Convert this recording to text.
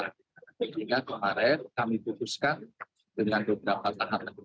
sehingga kemarin kami putuskan dengan keberatanan indikator